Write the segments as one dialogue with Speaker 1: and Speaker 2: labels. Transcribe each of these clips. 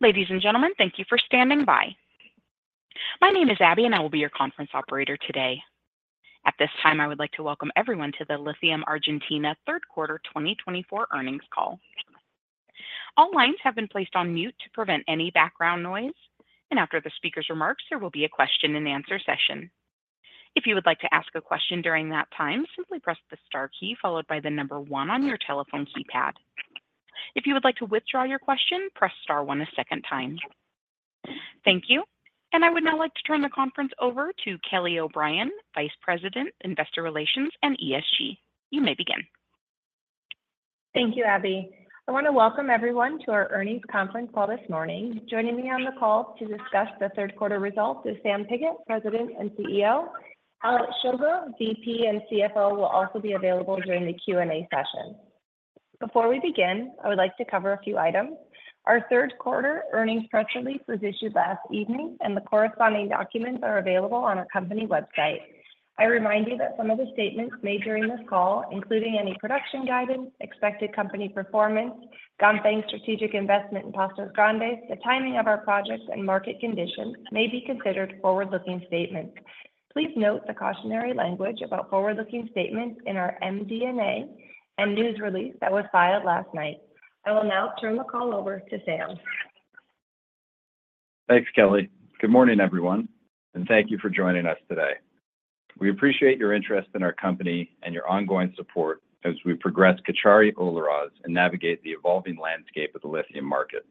Speaker 1: Ladies and gentlemen, thank you for standing by. My name is Abby, and I will be your conference operator today. At this time, I would like to welcome everyone to the Lithium Argentina third quarter 2024 earnings call. All lines have been placed on mute to prevent any background noise, and after the speaker's remarks, there will be a question-and-answer session. If you would like to ask a question during that time, simply press the star key followed by the number one on your telephone keypad. If you would like to withdraw your question, press star one a second time. Thank you, and I would now like to turn the conference over to Kelly O'Brien, Vice President, Investor Relations and ESG. You may begin.
Speaker 2: Thank you, Abby. I want to welcome everyone to our earnings conference call this morning. Joining me on the call to discuss the third quarter results is Sam Pigott, President and CEO. Alex Shulga, VP and CFO, will also be available during the Q&A session. Before we begin, I would like to cover a few items. Our third quarter earnings press release was issued last evening, and the corresponding documents are available on our company website. I remind you that some of the statements made during this call, including any production guidance, expected company performance, John Kanellitsas' strategic investment in Pastos Grandes, the timing of our projects, and market conditions, may be considered forward-looking statements. Please note the cautionary language about forward-looking statements in our MD&A and news release that was filed last night. I will now turn the call over to Sam.
Speaker 3: Thanks, Kelly. Good morning, everyone, and thank you for joining us today. We appreciate your interest in our company and your ongoing support as we progress Cauchari-Olaroz and navigate the evolving landscape of the lithium market.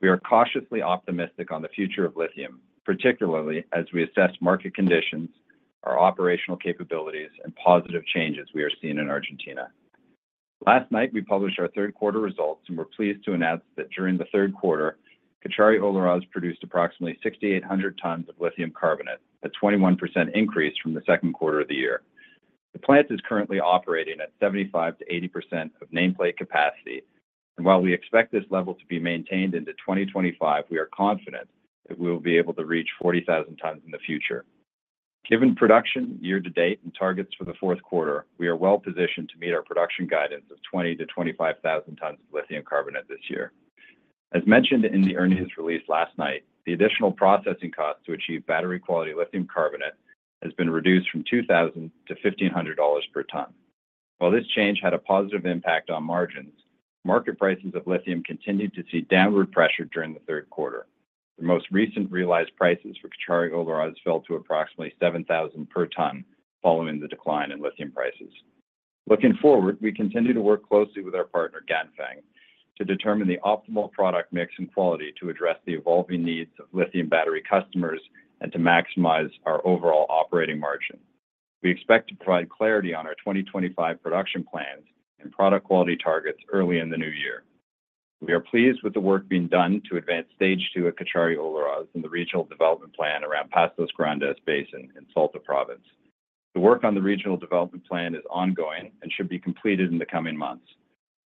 Speaker 3: We are cautiously optimistic on the future of lithium, particularly as we assess market conditions, our operational capabilities, and positive changes we are seeing in Argentina. Last night, we published our third quarter results, and we're pleased to announce that during the third quarter, Cauchari-Olaroz produced approximately 6,800 tons of lithium carbonate, a 21% increase from the second quarter of the year. The plant is currently operating at 75%-80% of nameplate capacity, and while we expect this level to be maintained into 2025, we are confident that we will be able to reach 40,000 tons in the future. Given production year-to-date and targets for the fourth quarter, we are well-positioned to meet our production guidance of 20,000-25,000 tons of lithium carbonate this year. As mentioned in the earnings release last night, the additional processing cost to achieve battery-quality lithium carbonate has been reduced from $2,000-$1,500 per ton. While this change had a positive impact on margins, market prices of lithium continued to see downward pressure during the third quarter. The most recent realized prices for Cauchari-Olaroz fell to approximately $7,000 per ton following the decline in lithium prices. Looking forward, we continue to work closely with our partner, Ganfeng, to determine the optimal product mix and quality to address the evolving needs of lithium battery customers and to maximize our overall operating margin. We expect to provide clarity on our 2025 production plans and product quality targets early in the new year. We are pleased with the work being done to advance Stage 2 at Cauchari-Olaroz and the regional development plan around Pastos Grandes Basin in Salta Province. The work on the regional development plan is ongoing and should be completed in the coming months.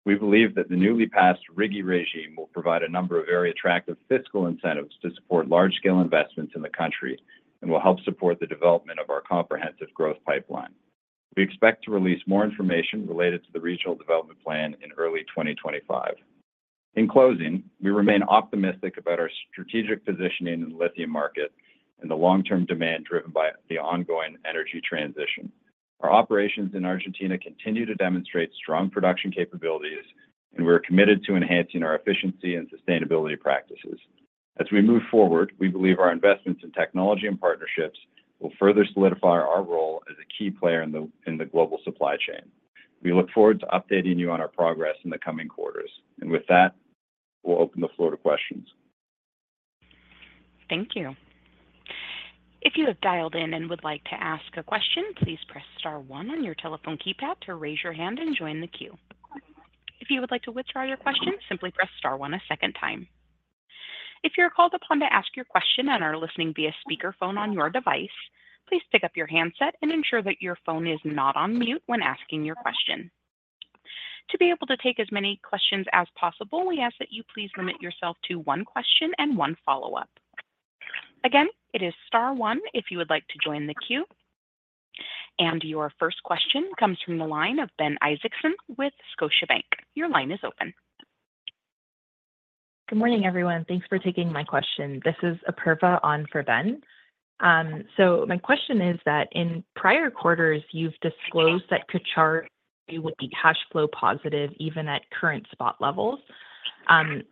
Speaker 3: We believe that the newly passed RIGI regime will provide a number of very attractive fiscal incentives to support large-scale investments in the country and will help support the development of our comprehensive growth pipeline. We expect to release more information related to the regional development plan in early 2025. In closing, we remain optimistic about our strategic positioning in the lithium market and the long-term demand driven by the ongoing energy transition. Our operations in Argentina continue to demonstrate strong production capabilities, and we are committed to enhancing our efficiency and sustainability practices. As we move forward, we believe our investments in technology and partnerships will further solidify our role as a key player in the global supply chain. We look forward to updating you on our progress in the coming quarters, and with that, we'll open the floor to questions.
Speaker 1: Thank you. If you have dialed in and would like to ask a question, please press star one on your telephone keypad to raise your hand and join the queue. If you would like to withdraw your question, simply press star one a second time. If you're called upon to ask your question and are listening via speakerphone on your device, please pick up your handset and ensure that your phone is not on mute when asking your question. To be able to take as many questions as possible, we ask that you please limit yourself to one question and one follow-up. Again, it is star one if you would like to join the queue, and your first question comes from the line of Ben Isaacson with Scotiabank. Your line is open.
Speaker 4: Good morning, everyone. Thanks for taking my question. This is Apurva on for Ben. So my question is that in prior quarters, you've disclosed that Cauchari-Olaroz would be cash flow positive even at current spot levels.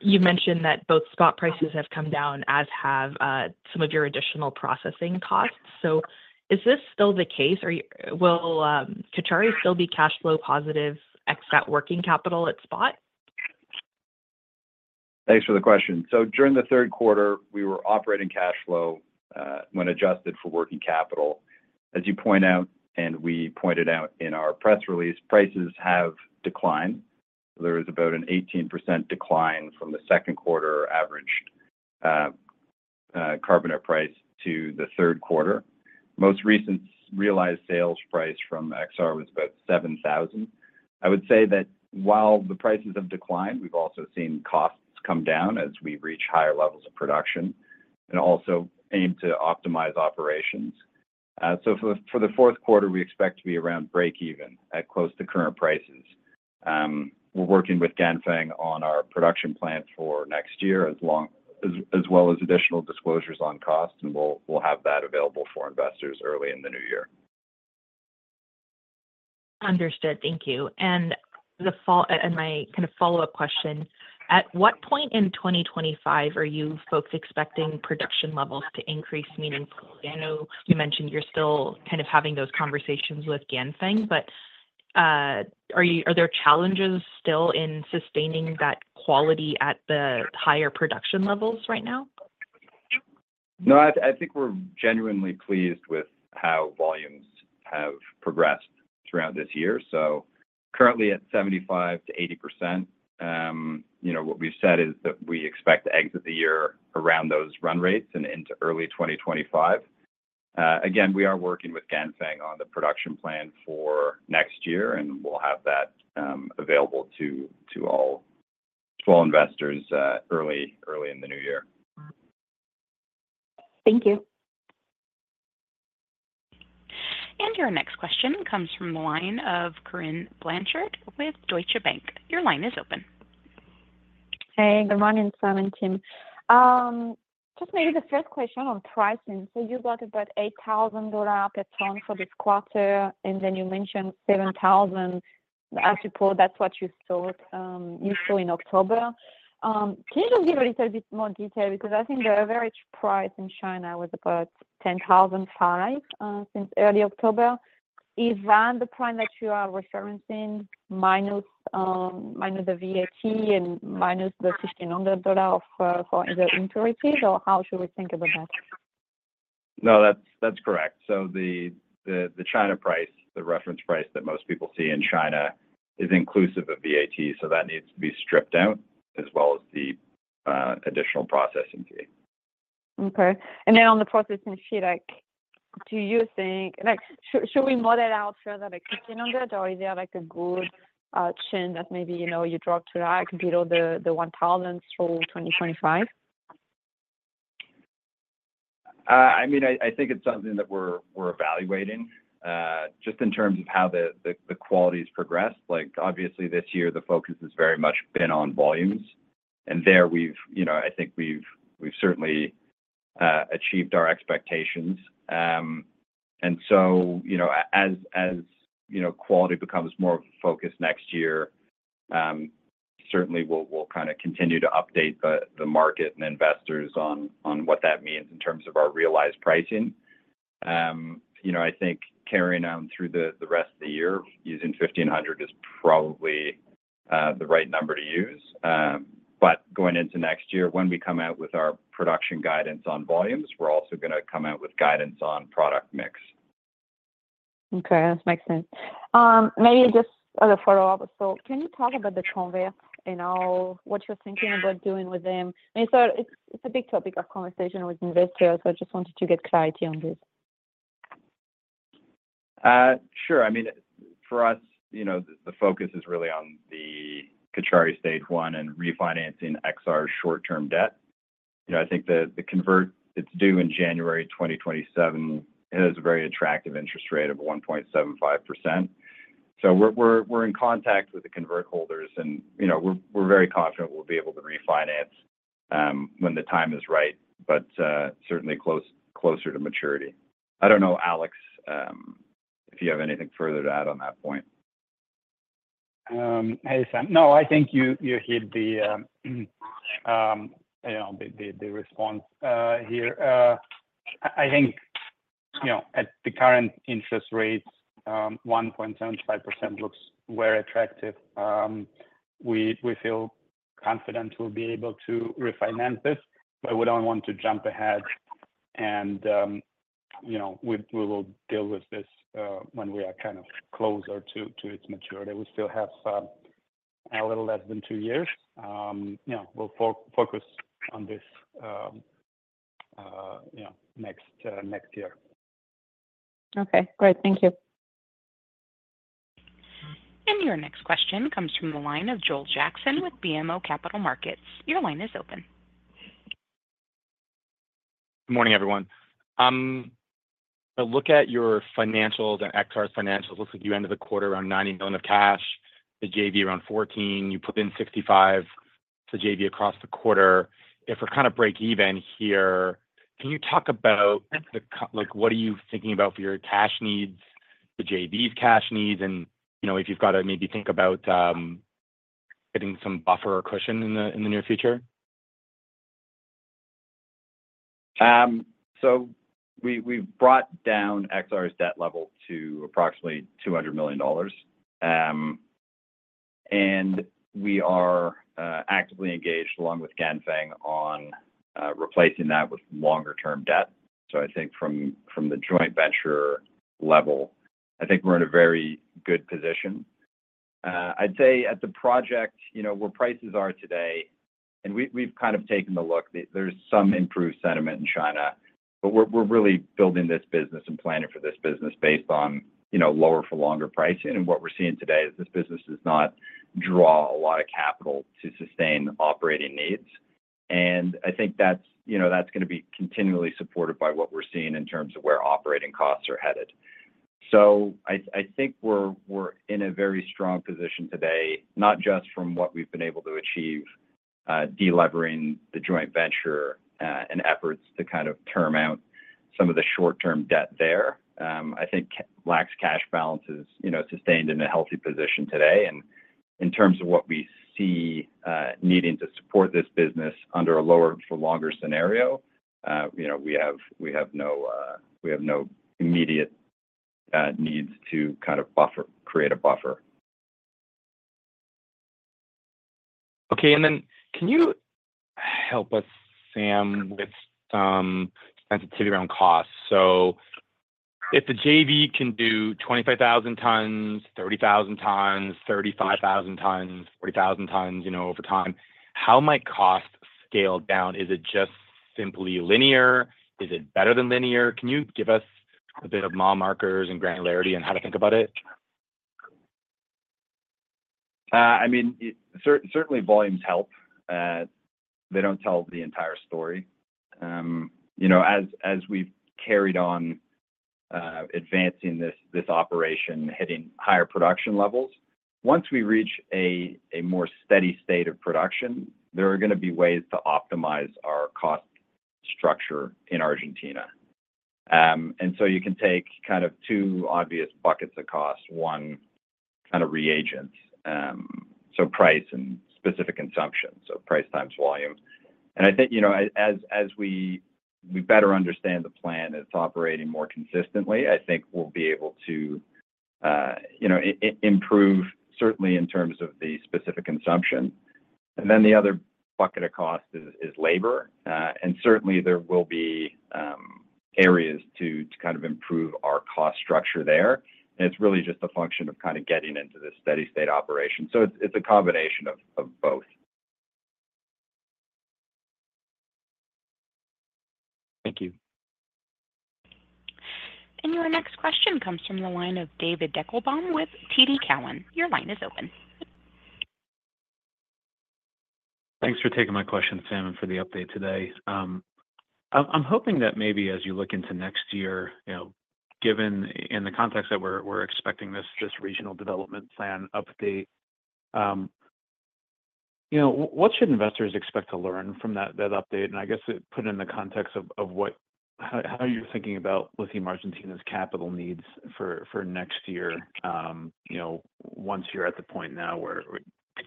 Speaker 4: You mentioned that both spot prices have come down, as have some of your additional processing costs. So is this still the case? Will Cauchari-Olaroz still be cash flow positive except working capital at spot?
Speaker 3: Thanks for the question. So during the third quarter, we were operating cash flow when adjusted for working capital. As you point out, and we pointed out in our press release, prices have declined. There is about an 18% decline from the second quarter averaged carbonate price to the third quarter. Most recent realized sales price from Exar was about $7,000. I would say that while the prices have declined, we've also seen costs come down as we reach higher levels of production and also aim to optimize operations. So for the fourth quarter, we expect to be around break-even at close to current prices. We're working with Ganfeng on our production plan for next year as well as additional disclosures on cost, and we'll have that available for investors early in the new year.
Speaker 4: Understood. Thank you. And my kind of follow-up question: at what point in 2025 are you folks expecting production levels to increase meaningfully? I know you mentioned you're still kind of having those conversations with Ganfeng, but are there challenges still in sustaining that quality at the higher production levels right now?
Speaker 3: No, I think we're genuinely pleased with how volumes have progressed throughout this year, so currently at 75%-80%, what we've said is that we expect to exit the year around those run rates and into early 2025. Again, we are working with Ganfeng on the production plan for next year, and we'll have that available to all investors early in the new year.
Speaker 4: Thank you.
Speaker 1: Your next question comes from the line of Corinne Blanchard with Deutsche Bank. Your line is open.
Speaker 5: Hey, good morning, Sam and Team. Just maybe the first question on pricing. So you got about $8,000 per ton for this quarter, and then you mentioned $7,000 as you put that's what you saw in October. Can you just give a little bit more detail because I think the average price in China was about $10,005 since early October? Is that the price that you are referencing minus the VAT and minus the $1,500 for the impurities, or how should we think about that?
Speaker 3: No, that's correct. So the China price, the reference price that most people see in China, is inclusive of VAT, so that needs to be stripped out as well as the additional processing fee.
Speaker 5: Okay. And then, on the processing fee, do you think should we model out further the $1,500, or is there a good chance that maybe you drop to zero the $1,000 through 2025?
Speaker 3: I mean, I think it's something that we're evaluating just in terms of how the quality has progressed. Obviously, this year, the focus has very much been on volumes, and there, I think we've certainly achieved our expectations. And so as quality becomes more of a focus next year, certainly, we'll kind of continue to update the market and investors on what that means in terms of our realized pricing. I think carrying on through the rest of the year, using $1,500 is probably the right number to use. But going into next year, when we come out with our production guidance on volumes, we're also going to come out with guidance on product mix.
Speaker 5: Okay. That makes sense. Maybe just as a follow-up, so can you talk about the convert and what you're thinking about doing with them? It's a big topic of conversation with investors, so I just wanted to get clarity on this.
Speaker 3: Sure. I mean, for us, the focus is really on the Cauchari Stage 1 and refinancing Exar's short-term debt. I think the convert that's due in January 2027 has a very attractive interest rate of 1.75%. So we're in contact with the convert holders, and we're very confident we'll be able to refinance when the time is right, but certainly closer to maturity. I don't know, Alex, if you have anything further to add on that point.
Speaker 6: Hey, Sam. No, I think you hit the response. I think at the current interest rates, 1.75% looks very attractive. We feel confident we'll be able to refinance this, but we don't want to jump ahead, and we will deal with this when we are kind of closer to its maturity. We still have a little less than two years. We'll focus on this next year.
Speaker 5: Okay. Great. Thank you.
Speaker 1: And your next question comes from the line of Joel Jackson with BMO Capital Markets. Your line is open.
Speaker 7: Good morning, everyone. I look at your financials and Exar's financials. It looks like you ended the quarter around $90 million of cash, the JV around $14 million. You put in $65 million to the JV across the quarter. If we're kind of break-even here, can you talk about what are you thinking about for your cash needs, the JV's cash needs, and if you've got to maybe think about getting some buffer or cushion in the near future?
Speaker 3: So we've brought down Exar's debt level to approximately $200 million, and we are actively engaged along with Ganfeng on replacing that with longer-term debt. So I think from the joint venture level, I think we're in a very good position. I'd say at the project, where prices are today, and we've kind of taken the look, there's some improved sentiment in China, but we're really building this business and planning for this business based on lower-for-longer pricing. And what we're seeing today is this business does not draw a lot of capital to sustain operating needs. And I think that's going to be continually supported by what we're seeing in terms of where operating costs are headed. So I think we're in a very strong position today, not just from what we've been able to achieve delevering the joint venture and efforts to kind of term out some of the short-term debt there. I think our cash balance is sustained in a healthy position today. And in terms of what we see needing to support this business under a lower-for-longer scenario, we have no immediate needs to kind of create a buffer.
Speaker 7: Okay. And then can you help us, Sam, with some sensitivity around costs? So if the JV can do 25,000 tons, 30,000 tons, 35,000 tons, 40,000 tons over time, how might cost scale down? Is it just simply linear? Is it better than linear? Can you give us a bit of mile markers and granularity on how to think about it?
Speaker 3: I mean, certainly, volumes help. They don't tell the entire story. As we've carried on advancing this operation, hitting higher production levels, once we reach a more steady state of production, there are going to be ways to optimize our cost structure in Argentina. And so you can take kind of two obvious buckets of cost: one, kind of reagents, so price and specific consumption, so price times volume. And I think as we better understand the plant and it's operating more consistently, I think we'll be able to improve, certainly, in terms of the specific consumption. And then the other bucket of cost is labor. And certainly, there will be areas to kind of improve our cost structure there. And it's really just a function of kind of getting into this steady-state operation. So it's a combination of both.
Speaker 7: Thank you.
Speaker 1: And your next question comes from the line of David Deckelbaum with TD Cowen. Your line is open.
Speaker 8: Thanks for taking my question, Sam, and for the update today. I'm hoping that maybe as you look into next year, given in the context that we're expecting this regional development plan update, what should investors expect to learn from that update? and I guess put it in the context of how you're thinking about Lithium Argentina's capital needs for next year, once you're at the point now where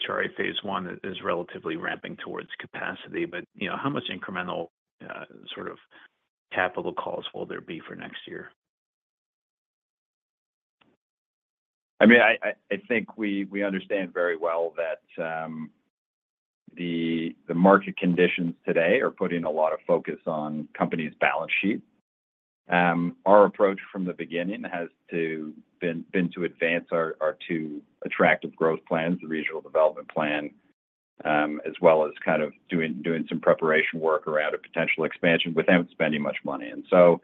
Speaker 8: Cauchari phase I is relatively ramping towards capacity, but how much incremental sort of capital calls will there be for next year?
Speaker 3: I mean, I think we understand very well that the market conditions today are putting a lot of focus on companies' balance sheets. Our approach from the beginning has been to advance our two attractive growth plans, the regional development plan, as well as kind of doing some preparation work around a potential expansion without spending much money. And so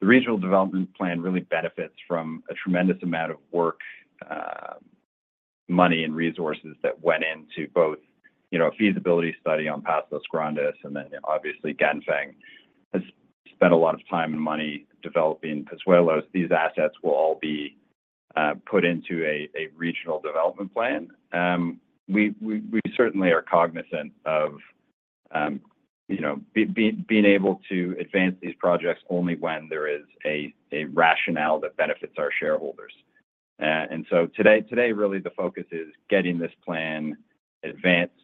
Speaker 3: the regional development plan really benefits from a tremendous amount of work, money, and resources that went into both a feasibility study on Pastos Grandes and then, obviously, Ganfeng has spent a lot of time and money developing Pozuelos. These assets will all be put into a regional development plan. We certainly are cognizant of being able to advance these projects only when there is a rationale that benefits our shareholders. And so today, really, the focus is getting this plan advanced,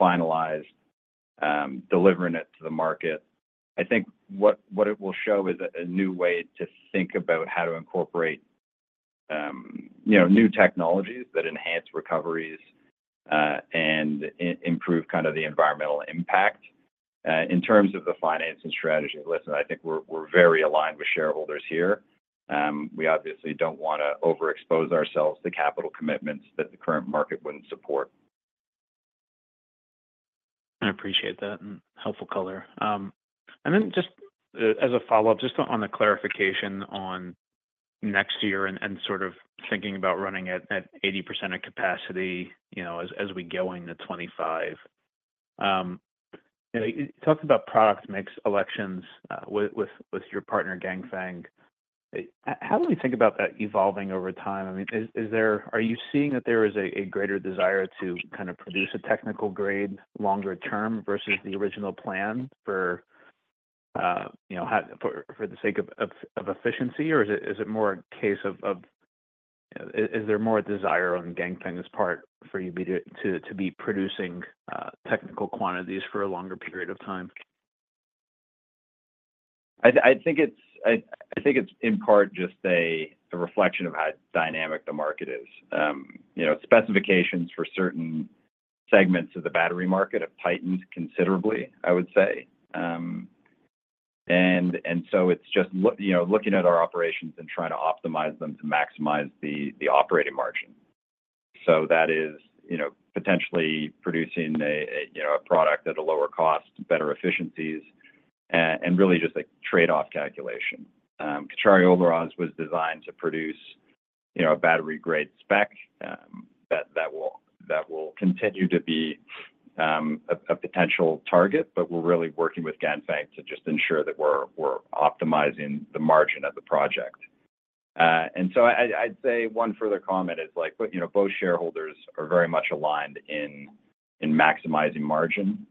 Speaker 3: finalized, delivering it to the market. I think what it will show is a new way to think about how to incorporate new technologies that enhance recoveries and improve kind of the environmental impact. In terms of the financing strategy, listen, I think we're very aligned with shareholders here. We obviously don't want to overexpose ourselves to capital commitments that the current market wouldn't support.
Speaker 9: I appreciate that and helpful color. And then just as a follow-up, just on the clarification on next year and sort of thinking about running at 80% of capacity as we go into 2025, you talked about product mix selections with your partner, Ganfeng. How do we think about that evolving over time? I mean, are you seeing that there is a greater desire to kind of produce a technical grade longer term versus the original plan for the sake of efficiency, or is it more a case of is there more a desire on Ganfeng's part for you to be producing technical quantities for a longer period of time?
Speaker 3: I think it's in part just a reflection of how dynamic the market is. Specifications for certain segments of the battery market have tightened considerably, I would say, and so it's just looking at our operations and trying to optimize them to maximize the operating margin, so that is potentially producing a product at a lower cost, better efficiencies, and really just a trade-off calculation. Cauchari-Olaroz was designed to produce a battery-grade spec that will continue to be a potential target, but we're really working with Ganfeng to just ensure that we're optimizing the margin of the project. And so I'd say one further comment is both shareholders are very much aligned in maximizing margin.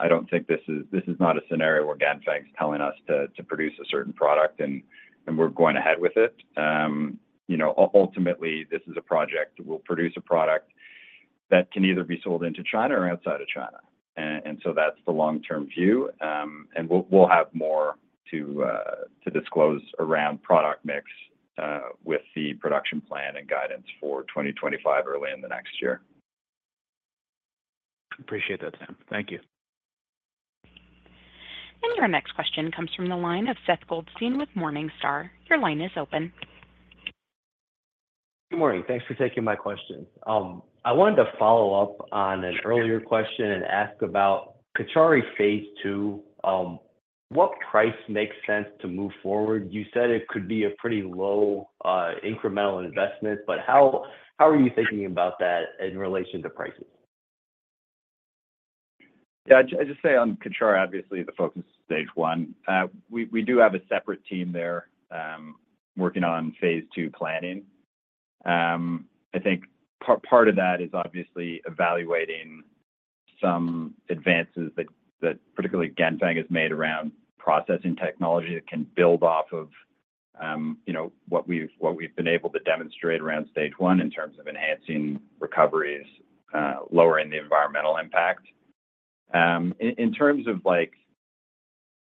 Speaker 3: I don't think this is not a scenario where Ganfeng's telling us to produce a certain product, and we're going ahead with it. Ultimately, this is a project that will produce a product that can either be sold into China or outside of China. And so that's the long-term view. And we'll have more to disclose around product mix with the production plan and guidance for 2025 early in the next year.
Speaker 9: Appreciate that, Sam. Thank you.
Speaker 1: And your next question comes from the line of Seth Goldstein with Morningstar. Your line is open.
Speaker 10: Good morning. Thanks for taking my question. I wanted to follow up on an earlier question and ask about Cauchari phase II. What price makes sense to move forward? You said it could be a pretty low incremental investment, but how are you thinking about that in relation to prices?
Speaker 3: Yeah. I just say on Cauchari, obviously, the focus is Stage 1. We do have a separate team there working on phase II planning. I think part of that is obviously evaluating some advances that particularly Ganfeng has made around processing technology that can build off of what we've been able to demonstrate around Stage 1 in terms of enhancing recoveries, lowering the environmental impact. In terms of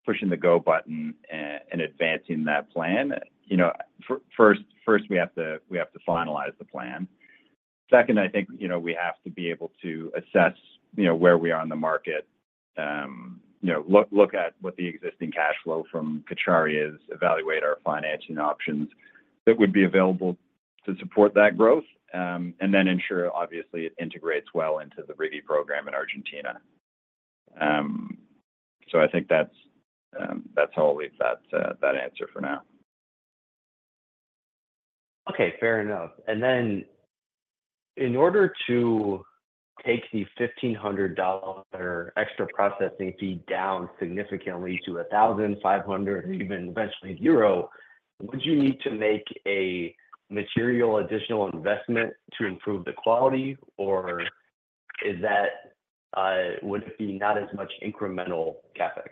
Speaker 3: pushing the go button and advancing that plan, first, we have to finalize the plan. Second, I think we have to be able to assess where we are in the market, look at what the existing cash flow from Cauchari is, evaluate our financing options that would be available to support that growth, and then ensure, obviously, it integrates well into the RIGI program in Argentina. So I think that's all. That's that answer for now.
Speaker 10: Okay. Fair enough. And then in order to take the $1,500 extra processing fee down significantly to $1,500 or even eventually zero, would you need to make a material additional investment to improve the quality, or would it be not as much incremental CapEx?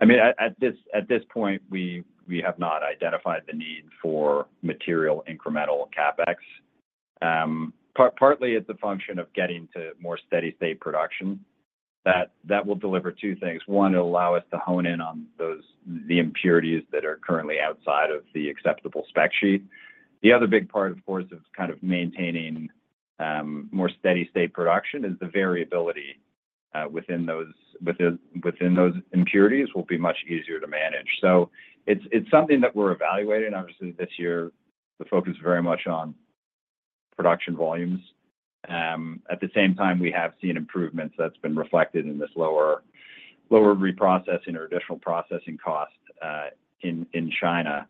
Speaker 3: I mean, at this point, we have not identified the need for material incremental CapEx. Partly, it's a function of getting to more steady-state production. That will deliver two things. One, it'll allow us to hone in on the impurities that are currently outside of the acceptable spec sheet. The other big part, of course, of kind of maintaining more steady-state production is the variability within those impurities will be much easier to manage. So it's something that we're evaluating. Obviously, this year, the focus is very much on production volumes. At the same time, we have seen improvements that's been reflected in this lower reprocessing or additional processing cost in China.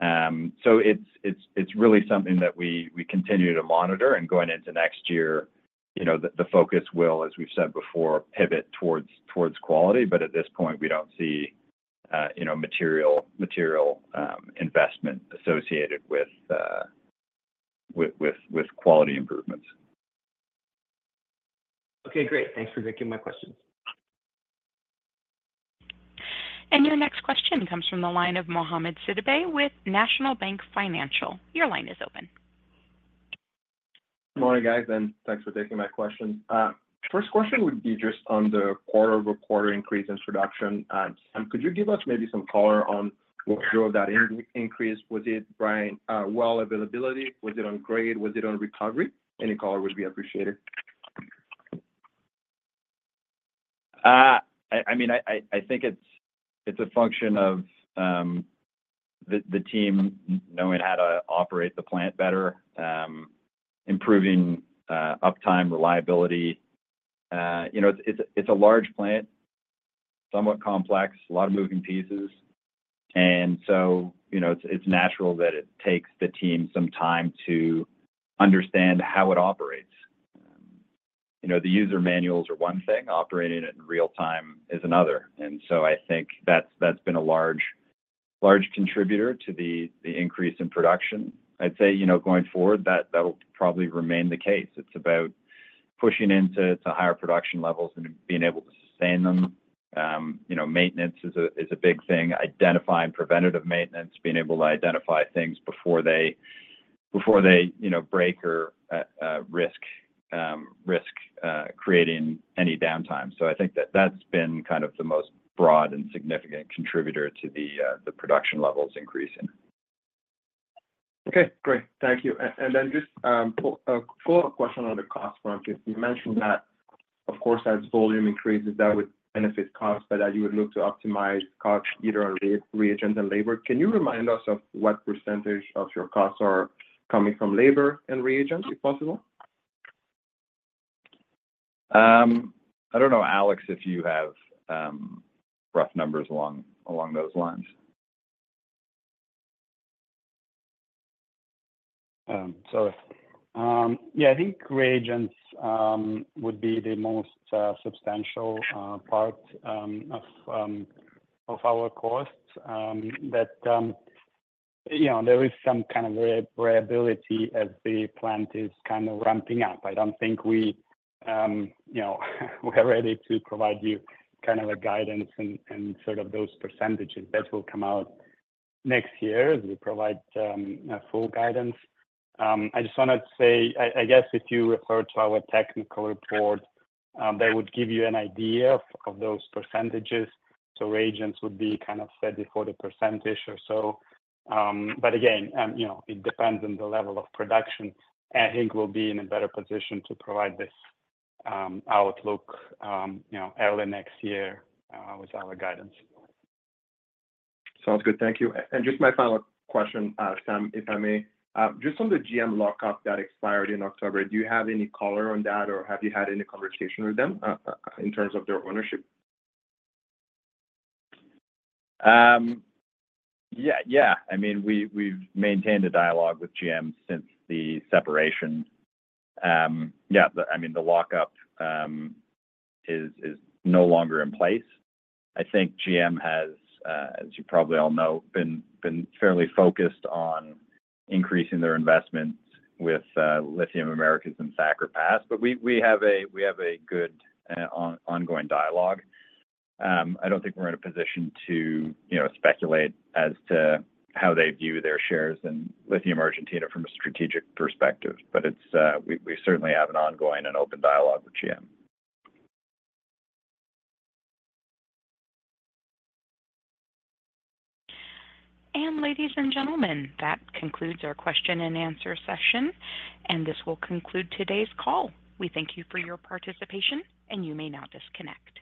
Speaker 3: So it's really something that we continue to monitor, and going into next year, the focus will, as we've said before, pivot towards quality. But at this point, we don't see material investment associated with quality improvements.
Speaker 10: Okay. Great. Thanks for taking my questions.
Speaker 1: Your next question comes from the line of Mohamed Sidibe with National Bank Financial. Your line is open.
Speaker 11: Morning, guys, and thanks for taking my questions. First question would be just on the quarter-over-quarter increase in production. Sam, could you give us maybe some color on what drove that increase? Was it brine well availability? Was it on grade? Was it on recovery? Any color would be appreciated.
Speaker 3: I mean, I think it's a function of the team knowing how to operate the plant better, improving uptime, reliability. It's a large plant, somewhat complex, a lot of moving pieces. And so it's natural that it takes the team some time to understand how it operates. The user manuals are one thing. Operating it in real time is another. And so I think that's been a large contributor to the increase in production. I'd say going forward, that'll probably remain the case. It's about pushing into higher production levels and being able to sustain them. Maintenance is a big thing. Identifying preventative maintenance, being able to identify things before they break or risk creating any downtime. So I think that that's been kind of the most broad and significant contributor to the production levels increasing.
Speaker 11: Okay. Great. Thank you. And then just a follow-up question on the cost front. You mentioned that, of course, as volume increases, that would benefit costs, but that you would look to optimize costs either on reagents and labor. Can you remind us of what percentage of your costs are coming from labor and reagents, if possible?
Speaker 3: I don't know, Alex, if you have rough numbers along those lines?
Speaker 6: Sorry. Yeah, I think reagents would be the most substantial part of our costs. There is some kind of variability as the plant is kind of ramping up. I don't think we are ready to provide you kind of a guidance and sort of those percentages. That will come out next year as we provide full guidance. I just wanted to say, I guess if you refer to our technical report, that would give you an idea of those percentages. So reagents would be kind of 30%-40%ish or so. But again, it depends on the level of production. I think we'll be in a better position to provide this outlook early next year with our guidance. Sounds good. Thank you. And just my final question, Sam, if I may.
Speaker 11: Just on the GM lockup that expired in October, do you have any color on that, or have you had any conversation with them in terms of their ownership?
Speaker 3: Yeah. Yeah. I mean, we've maintained a dialogue with GM since the separation. Yeah. I mean, the lockup is no longer in place. I think GM has, as you probably all know, been fairly focused on increasing their investments with Lithium Americas and Thacker Pass. But we have a good ongoing dialogue. I don't think we're in a position to speculate as to how they view their shares in Lithium Argentina from a strategic perspective. But we certainly have an ongoing and open dialogue with GM.
Speaker 1: And ladies and gentlemen, that concludes our question and answer session. And this will conclude today's call. We thank you for your participation, and you may now disconnect.